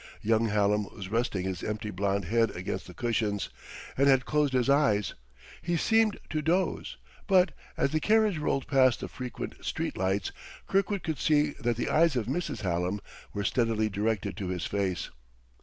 Young Hallam was resting his empty blond head against the cushions, and had closed his eyes. He seemed to doze; but, as the carriage rolled past the frequent street lights, Kirkwood could see that the eyes of Mrs. Hallam were steadily directed to his face.